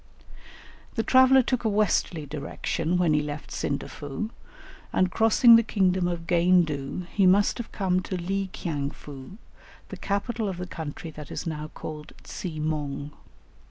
The traveller took a westerly direction when he left Sindafou, and crossing the kingdom of Gaindu he must have come to Li kiang foo, the capital of the country that is now called Tsi mong.